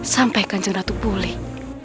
sampai kanjeng ratu pulih